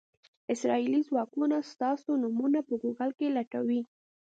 اسرائیلي ځواکونه ستاسو نومونه په ګوګل کې لټوي.